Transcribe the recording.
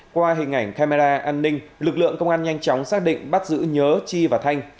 qua hình ảnh camera an ninh lực lượng công an nhanh chóng xác định bắt giữ nhớ chi và thanh